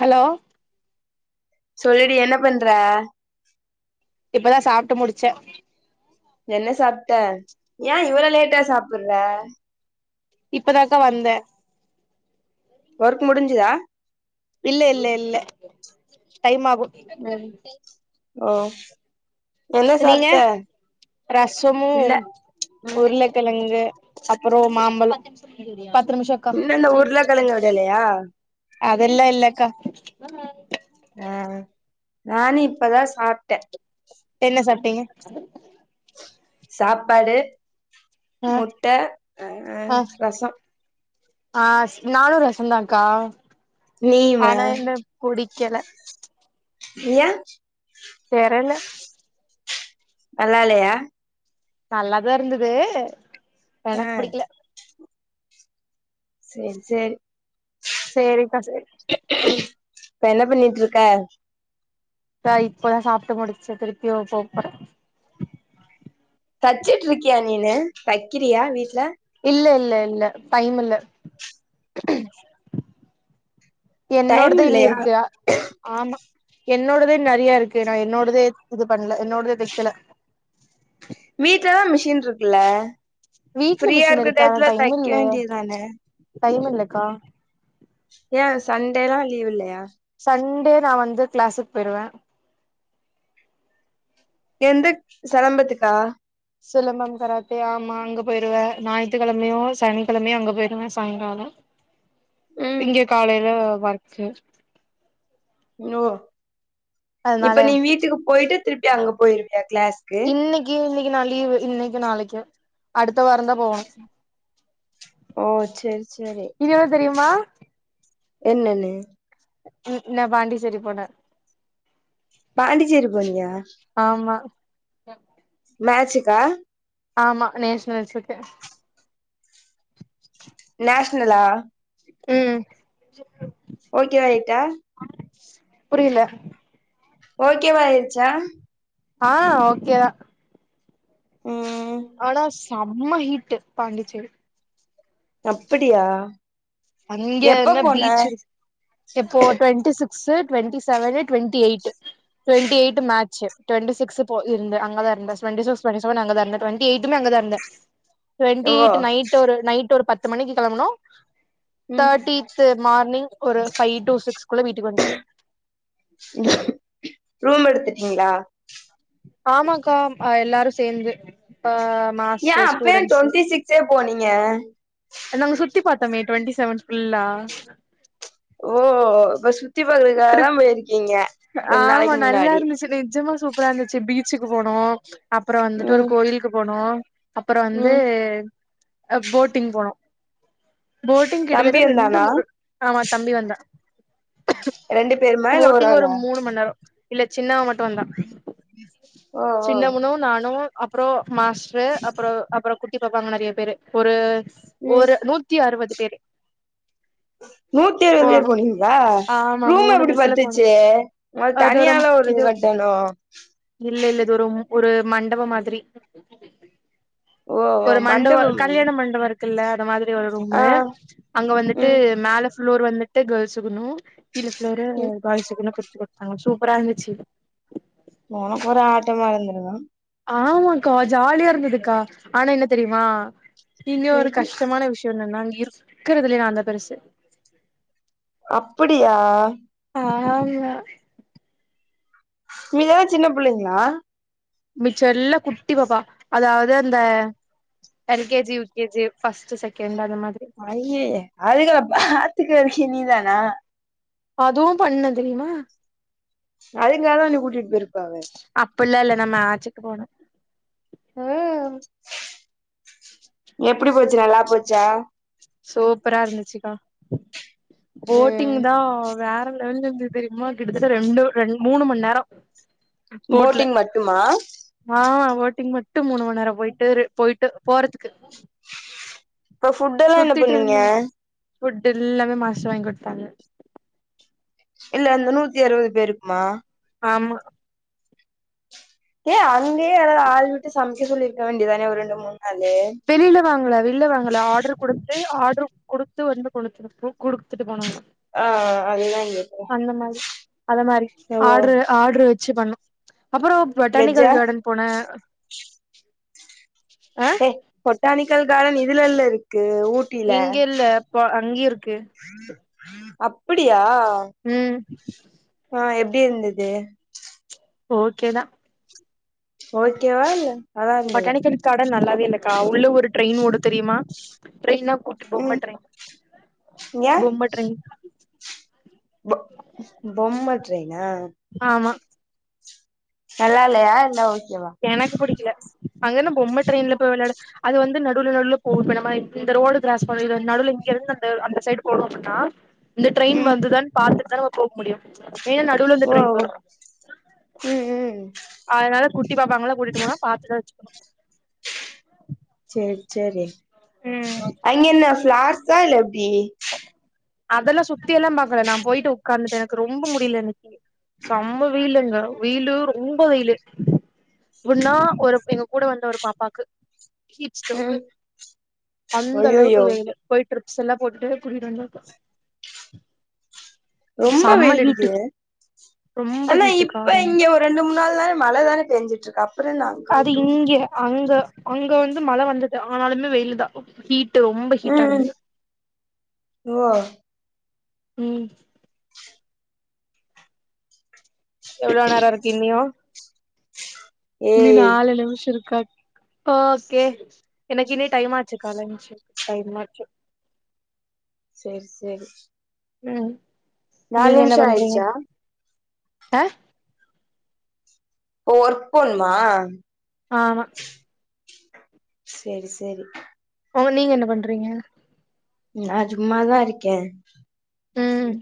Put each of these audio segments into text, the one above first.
hello சொல்லுடி என்ன பண்ற இப்பதா சாப்ட்டு முடிச்சே என்ன சாப்ட்ட ஏ இவ்ளோ லேட்டா சாப்புற இப்பதாக்கா வந்த ஒர்க் முடிஞ்சுதா இல்ல இல்ல இல்ல டைம் ஆகு ம் ஒ நீங்க ரசமு இல்ல ம் உருளக் கொழங்கு அப்றோ மாம்பழோ பத்து நிமுஷோ இன்னு அந்த உர்ள கழங்க விடலயா அதெல்லா இல்லக்கா அ நானு இப்பதா சார் என்ன சாப்ட்டீங்க சாப்பாடு ஆ முட்ட அ அ ரசொ அ நானு ரசொந்தாக்கா நீயுமா ஆனா என்ன புடிக்கல ஏ தெரல நல்லாலயா நல்லாதா இர்ந்துது ஆ எனக் புடிக்ல சேர் சேரி சேரிக்கா சேரி இப்ப என்ன பண்ணிட்ருக்க த இப்பதா சாப்ட்டு முடிச்ச திருப்யு போப்போற தச்சிட்டுருக்கியா நீனு தக்கிறியா வீட்ல இல்ல இல்ல இல்ல டைம் இல்ல டைம் என்னோடுது இன்யு இல்லையா இருக்குயா ஆமா என்னோடதே நறிய இருக்கு நா என்னோடதே இது பண்ல என்னோடதே தெக்கல வீட்லதா மிஷின்ருக்குல்ல வீட்ல ஃப்ரீயா மிஷின் இருக்க இருக்கு ஆனா டைத்துல டைம் தக்க இல்ல வேண்டியதான டைம் இல்லக்கா ஏ சண்டேலா லீவ் இல்லயா சண்டே நா வந்து க்ளாஸுக் போய்ருவ எந்து செலம்பத்துக்கா சிலம்பம் கராத்தே ஆம்மா அங்க பேய்ருவ ஞாயி்த்துகழமையு சனிக்கிழமையு அங்க பேய்ருவ சாயங்காலோ ம் இங்க காலைல ஒர்க்கு யோ அதனால இப்ப நீ வீட்டுக்கு போய்ட்டு திருப்பி அங்க போய்ருவியா க்ளேஸ் இன்னக்கி இன்னக்கி நா லீவு இன்னக்கு நாளக்கு அடுத்த வாரந்தா போவணு ஓ செரி செரி இதியவ தெரியும்மா என்னன்னு நா பாண்டிச்சேரி போன பாண்டிச்சேரி போனியா ஆமா மேஜிக்கா ஆமா நேஷ்னலசுட்டு நேஷ்னல்லா ம் ஓகேவாய்ட்டா புரிய்ல ஓகேவாயிருச்சா ஆ ஓக்கே தா ம் ம் ஆனா செம்ம ஹிட்டு பாண்டிச்சேரி அப்டியா அங்கே என்னா பீச்சு இருக்கு இப்போ twenty six twenty seven twenty eight twenty eight match twenty six போ இருந்த அங்கதா இருந்த டுவெண்ட்டி சிக்ஸ் வெண்ட்டி செவன் அங்கதா இருந்த டுவெண்ட்டி எயிட்டுமே எங்கதா இருந்த டு்வெண்ட்டி ஓ எயிட் நைட் ஒரு நைட் ஒரு பத்து மணிக்கு கெளம்புணு ம் தேர்ட்டித்து மார்னிங் ஒரு ஃபைவ் டு சிக்ஸ் குள்ள வீட்டுக்கு வன்டே ரூம் எடுத்துட்டீங்களா ஆமாக்கா ஆ எல்லாரு சேந்து அ மாஸ்டர் ஸ்டூடெண்ட்ஸ்ஸு சே போனிங்க நாங்க சுத்தி பாத்தோமே டுவெண்டி செவன்த் ஃபுல்லா ஓ இப்ப சுத்தி பாக்குறதுக்காக தா ட்ரிப் போய்ருக்கீங்க ரெண் நாளைக்கி முன்னாடி ச்சி நெஜமா சுத் சூப்பரா இருந்துச்சு பீச்சுக்கு போனோ அப்பறோ வந்துட்டு ஒரு ம் கோயிலுக்கு போனோ அப்பறோ வந்து ம் அ போட்டிங் போனோ போட்டிங் தம்பி கிட்டதட்ட ரெண்டு வந்தானா மூண் ஆமா தம்பி வந்தா ரெண்டு பேரும் பேட்டிங் ஒரு மூணு மண் நேர இல்ல சின்னவ மட்டு வந்தா ஓ ஓ சின்ன முணு நானு அப்றோ மாஸ்ட்ரு அப்றோ அப்பறோ குட்டி பாப்பாங்க நறைய பேரு ஒரு ம் ஒரு நூத்தி அறுவது பேரு நூத்தி அறுவது பேர் போனோ போனீங் வா ஆமா ரூம் மூணு எப்டி பஸ்ல போனோ பத்துச்சு உங்கல தனியால ஒரு இது கட்டணு இல்ல இல்ல இது ஒரு ஒரு மண்டப மாதிரி ஓ ஓ ஒரு மண்டவ மண்டபமா கல்யாண மண்டப இருக் குல்ல அந்த மாதிரி ஒரு ஆ ரூம்மு அங்க வந்துட்டு ம் மேல ஃப்ளூர் வந்துட்டு கேர்ள்ஸுகுணு கீழ ஃப்ளோரு ம் பாய்ஸ்ஸுகுன்னு பிறிச்சு குடுத்தாங்க சூப்பரா இருந்துச்சு உனக்கு ஒரு ஆட்டமா இருந்துருக்கு ஆமாக்கா ஜாலியா இருந்ததுக்கா ஆனா என்ன தெரியுமா இங்கு ஒரு ம் கஷ்டமான விஷ் யோ என்னன்னா அங்க இருக்கறிறதுலே நா தா பெருசு அப்புடியா ஆமா மீதியெல்லா சின்ன பிள்ளைங்களா மிச்சயெல்ல குட்டி பாப்பா அதாவ்து அந்த L K G U K G first second அந்த மாதிரி அய்யேயே அதுகள பாத்துக்குக்கு நீதானா அதுவு பண்ண தெரியுமா அதுங்கள தா நீ கூட்டிட்டு போய்ருக்க [unintelligible] அப்பில்லா இல்ல நம்ம ஆச்சிட்டு போனோ எப்டி போச்சு நல்லா போச்சா சூப்பரா இருந்துச்சுக்கா போட்டிங் ம் தா வேற லெவல்ல இருந்து தெரியுமா கிட்டத்தட்ட ரெண்டு ரெண் மூணு மண் நேர போட்டிங் மட்டுமா ஆ போட்டிங் மட்டு மூணு ம நேரோ போயிட்டு ரெ போயிட்டு போறதுக்கு இப்ப ஃபுட் எல்லா என்ன சுத்திட்டு பண்ணீங்க இருந்தோ ஃபுட் எல்லாமே மாஸ்ட்ரு வாங்கி குடுத்தாங்க இல்ல அந்த நூத்தி அறுவது பேருக்குமா ஆமா ஏ அங்கயே யாராவது ஆள் விட்டு சமைக்க சொல்லிருக்க வேண்டியதானே ஒரு ரெண்டு மூணு நாளு வெளில வாங்கல வெள்ல வாங்கல ஆட்ரு குடுத்து ஆட்ரு குடுத்து வந்து குடுத் குடுத்துட்டு போனாங்க ஆ அதுதா எப்போ அந்த மாரி அத மாரி ஆட்ரு ஆட்ரு வச்சி பண்ணு அப்புறோ வெஜ்ஜா பொட்டானிக்கல் கார்டன் போனே ஆ ஏ பொட்டானிக்கல் கார்டன் இதுலல்ல இருக்கு ஊ இங்க இல்ல போ அங்கயு இருக்கு [unintelligible] அப்படியா ம் அ எப்டி இருந்தது ஓகே தா ஓகேவா இல்ல நல்லா இருந்ததா கட நல்லாவே இல்லக்கா உள்ள ஒரு ட்ரெயின் ஓடுத் தெரியுமா ட்ரெயினாப் கூட்டு பொம்ம ம் ட்ரெயின் ஏ பொம்ம ட்ரெயின் பொ பொம்ம ட்ரெயினா ஆமா நல்லா இல்லயா இல்ல ஓகே வா எனக்கு புடிக்ல அங்கென்ன பொம்ம ட்ரெயின்ல போய் வெளையாட அது வந்து நடுவுல நடுல போனு பண்ணமாரி நம்ம இந்த ரோடு கிராஸ் பண் நடுல இங்கருந்து அந்த அந்த சைடு போனு அப்புன்னா இந்த ட்ரெயின் ம் வந்துதான் பாத்துட்டு தா நம்ம போக முடியு ஏனா நடுல இந்த ஓ ட்ரெயின் வரு ம் ம் அதனால குட்டி பாப்பாங்கலா கூட்டிட்டு போனா பாத்துதா வெச்சுக்கனு செரி செரி ம் அங்கென்ன ஃப்ளார்ஸா இல்ல எப்டி அதெல்லா சுத்தி எல்லாம்பாக்கல நா போயிட்டு உக்காந்துட்ட எனக்கு ரொம்ப முடில இன்னைக்கி செம்ம வெயுலுங்க வெயிலு ரொம்ப வெயிலு இப்னா ஒரு எங்க கூட வந்த ஒரு பாப்பாக்கு ஹீட் ஸ்டோக்கு ம் அந்த அளவுக்கு ஐயையோ வெயிலு போய் ட்ரிப்ஸ் எல்லா போட்டு கூட்டிட்டு வந்தோ இப்ப ரொம்ப செம்ம வெயில் ஹீட்டு அடிக்குது ரொம்ப ஆனா ஹீட்டுக்கா இப்ப ரொம்ப இங்க ஒர் ரெண்டு மூணு நாள் தான மழ தான பெஞ்சிட்ருக்கு அப்றோ நாங்க அது இங்க அங்க அங்க வந்து மழை வந்தது ஆனாலுமே வெயிலு தா ஹீட் ட்டு ரொம்ப ஹீட்டா ம் இருந்துது ஓ ம் எவ்ளோ நேரோ இருக்கு இன்னியோ இனி ஏய் நாலு நிமிஷோ இருக்காக் ஓகே எனக்கு இனி டைம் ஆச்சு கால்ல ஏன்ச்சு டைம் ஆச்சு செர் செரி ம் நீங்க என்ன பண்றீங்க ஆயிடுச்சா அ ஒ ஒர்க் போன்மா ஆமா சேரி சேரி ஓ நீங்க என்ன பண்றீங்க நா சும்மா தா இருக்கே ம்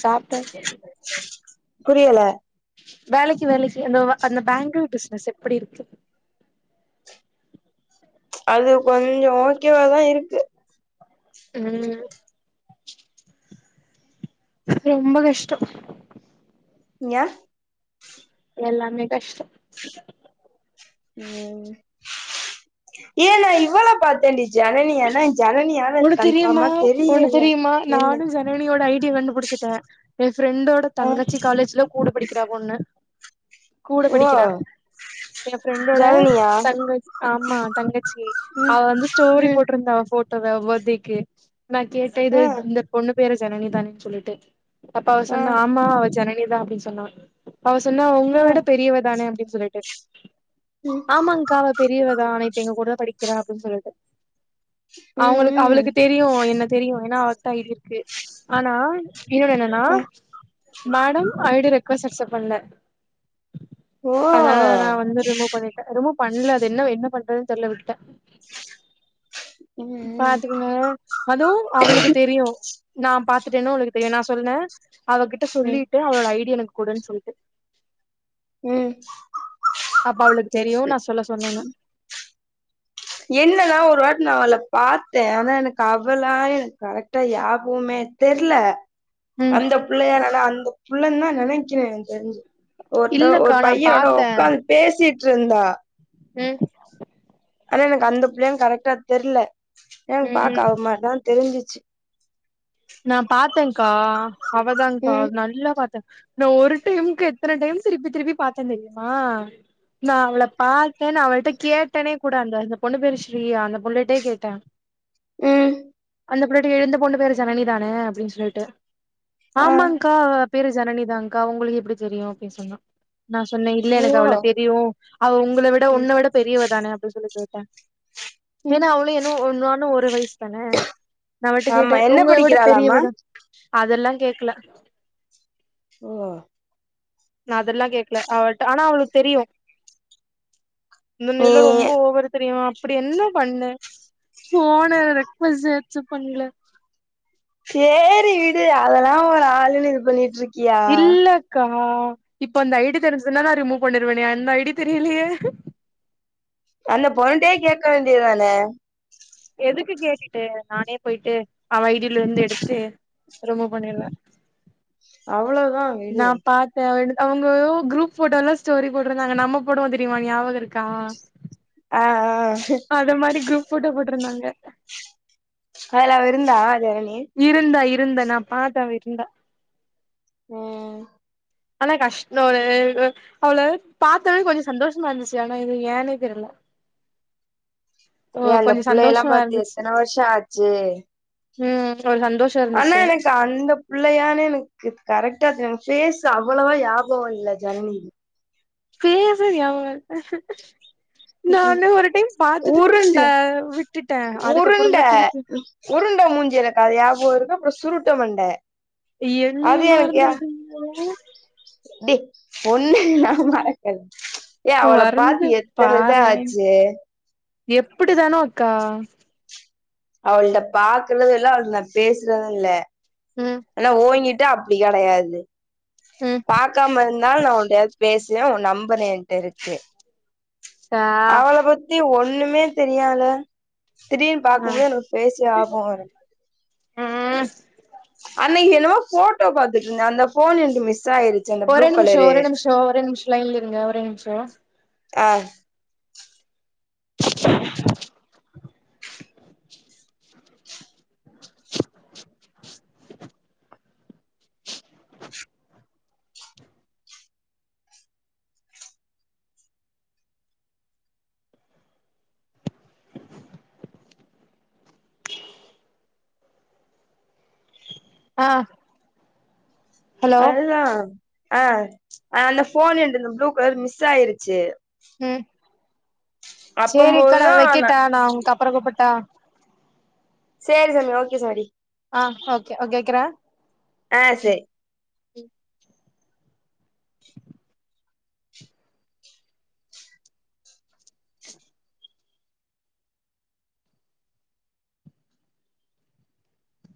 சாப்டா புரியல வேலைக்கு வேலைக்கு அந்த அந்த பேங்கிள் பிசினஸ் எப்படி இருக்கு அது கொஞ்சோ ஓகே வா தா இருக் ம் ரொம்ப கஷ்டோ ஏ எல்லாமே கஷ்டோ ம் உம் ஏ நா இவள பாத்தேண்டி ஜனனிய ஆனா ஜனனியானு ஒன்னு தெரியுமா கன்ஃபாமா ஒன்னு தெரியல தெரியுமா என்ன நானு ஜனனியோட ஐடிய கண்டுபுடிச்சிட்டே எ ஃப்ரெண்டோட ஆ தங்கச்சி காலேஜ்ல கூட படிக்கிறா பொண்ணு கூட ஓ படிக்கிறா எ ஃபிரெண்டோட ஜனனியா தங்க ஆமா தங்கச்சி ஓ அவ வந்து ஸ்டோரி ம் போட்ருந்தா அவ ஃபோட்டோவ அவ பர்த்டேக்கு நா கேட்டே இது இந்த பொண்ணு பேரு ஜனனிதானே சொல்லிட்டு அப்ப அவ சொன்ன ஆமா அவ ஜனனிதா அப்டின்னு சொன்னா அவ சொன்னா உங்க விட பெரியவ தானே அப்டின் சொல்லிட்டு ஆமாங்கா அவ பெரியவ தா ஆன இப்ப எங்க கூட தா படிக்கிறா அப்டின் சொல்லிட்டு அவங்களுக்கு ம் அவளுக்கு தெரியு என்ன தெரியு ஏனா அவ தா இது இருக்கு ஆனா இன்னொன்னு என்னன்னா மேடம் ஐடி ரெக்வஸ்ட் அக்செப் பண்ல அதனால நா வந்து ரிமூவ் பண்ணிட்டே ரிமூவ் பண்ல அது என்ன என்ன பண்றதுன்னு தெர்ல விட்டுட்டே பாத்துக்குங்க அதுவு அவளுக்கு தெரியு நா பாத்துட்டேன்னு அவளுக்கு தெரியு நா சொன்னே அவகிட்ட சொல்லி ட்டு அவளோட ஐடி ய எனக்கு குடுன்னு சொல்ட்டு ம் அப்ப அவளுக்கு தெரியு நா சொல்ல சொன்னேன்னு என்னல்லா ஒரு வாட்டி நா அவள பாத்தே ஆனா எனக்கு அவளா எனக்கு கரெக்டா யாபோமே தெர்ல ம் அந்த புள்ளையா என்னால அந்த புள்ளன்னு தா நெனக்கிற எனக் தெரிஞ்சு ஒருத்த இல்லக்கா ஒரு நா பையனோட பாத்தே ஒக்காந்து பேசிட்ருந்தா ம் ஆனா எனக்கு அந்த புள்ளையான்னு கரெக்ட்டா தெர்ல ஏனா எனக்கு ம் பாக்க அவ மாரிதா தெரிஞ்சிச்சு நா பாத்தேங்கா அவதாங்கா ம் நல்லா பாத்தே இந்த ஒரு டைம்முக்கு எத்தன டைம் திருப்பி திருப்பி பாத்தே தெரியுமா நா அவள பாத்தே நா அவள்ட்ட கேட்டேனே கூட அந்த அந்த பொண்ணு பேர் ஸ்ரீயா அந்த புள்ளேட்டே கேட்டே ம் அந்த புள்ளட்டயே இந்த பொண்ணு பேரு ஜனனிதானே அப்டின் சொல்லிட்டு ஆ ஆமாங்கா பேரு ஜனனிதாங்கா உங்களுக்கு எப்டி தெரியு அப்டி சொன்னா நா சொன்னே இல்ல ஓ எனக்கு அவ்வள தெரியு அவ உங்கள விட ம் உன்ன விட பெரியவதானே அப்டி சொல்லி கேட்டே ம் ஏன்னா அவளு என்னு நானு ஒரே வயசு தானே நா அவட்ட ஆமா கேட்டே என்ன ஒங்கள விட படிக்கிறாளாமா பெரியவதா அதெல்லா கேக்கல ஓ நா அதெல்லா கேக்ல அவள்ட ஆனா அவளுக்கு தெரியு நீ முன்னேல்லா ரொம்போ ஓவ்வரா தெரியு அப்டி என்ன பண்ணே போனே ரெக்வஸ்ட் அக்சப் பண்ல சேரி விடு அதெல்லா ஒரு ஆளுன்னு இது பண்ணிட்டு இருக் இல்லக்கா இப்ப அந்த ஐ டி தெரிஞ்சுதுன்னா நா ரிமூவ் பண்ணிருவனே அந்த ஐ டி தெரியலியே அந்த பொண்ணுட்டயே கேக்க வேண்டியது தானே எதுக்கு கேட்டுட்டு நானே போயிட்டு அவ ஐ டி ல இருந்து எடுத்து ரிமூவ் பண்ணிர்வ அவ்ளோதா விடு நா பாத் த்தே அவங்க எதோ குரூப் போட்டாலா ஸ்டோரி போட்ருக்காங்க நம்ம போடுவே தெரியுமா நியாபக இருக்கா ஆ ஆ அது மாரி குரூப் போட்டே போட்ருந்தாங்க அதுல அவவிருந்தா ஜனணி இருந்தா இருந்தா நா பாத்தே அவ இருந்தா ம் ஆனா கஷ்டொ ஒரே அவள பாத்தோனே கொஞ்சோ சந்தோஷமா இருந்துச்சி ஆனா இது ஏன்னே தெரில ஏ கொஞ்ச அந்தப் புள்ளையெல்லா சந்தோஷமா பாத்து எத்தன வருஷோ ஆச்சு ம்ம் ஒரு சந்தோஷ் ஆன்னா எனக் கந்த புள்ளையானு எனக்கு கரெக்டா ஃபேஸ் அவ்வளவா ஞாபக இல்ல ஜனனி ஃபேஸூ நியாபக ம்ஹும் நானே ஒரு டைம் உருண்ட பாத்துட்டு விட்டுட்டே உருண்ட அதுக்கப்பறேந் தா திருப்பி உருண்ட மூஞ்சி எனக்கது ஞாபக இருக்கு அப்பறே சுருட்ட மண்ட என்னியே மறந்துறீங்க போல டேய் ஒன்னய நா மறக்கல ஏ அவள பாத்து எத் பாறே எப்டி தானோ அக்கா அவள்ட்ட பாக்குறது இல்ல அவள்ட்ட நா பேசுறது இல்ல ம் ஆனா ஓங்கிட் ட அப்டி கெடையாது ம் பாக் க்கா மறுநாள் நா ஒன்டயாது பேஸ்னே ஒ நம்பர் என்ட்ட இருக்கு சா அவள பத்தி ஒண்ணுமே தெரியால தீடீர்னு ஆ பாக்குபோது எனக்கு பேசியே ஆகு ரின் ம் அன்னைக்கி என்னமோ போட்டோ பாத்துட்டு இருந்தே அந்த ஃபோன்ல இருந்து மிஸ் ஆயிரு ஒரே நிமிஷோ ஒரே நிமிஷோ ஒரே நிமிஷோ லைன்ல இருங்க ஒரே நிமிஷோ ஆ ஆ ஹலோ அதுதா ஆ அந்த ஃபோன் எந்து ப்ளூ கலர் மிஸ் ஆயிருச்சு ம் சேரிக்கா நா வக்கட்டா நா உங்களுக்கு அப்பறோ கூப்புட்டா சேரி சாமி ஓகே சமரி ஆ ஓகே ஓகே வக்கிறே ஆ சேரி